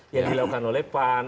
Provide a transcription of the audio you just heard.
yang dilakukan oleh pan